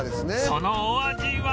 そのお味は？